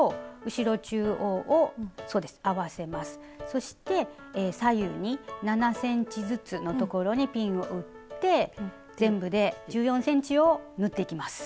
そして左右に７ｃｍずつの所にピンを打って全部で１４ｃｍを縫っていきます。